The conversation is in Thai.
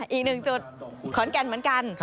อีกหนึ่งจุดขอนแก่นเหมือนกัน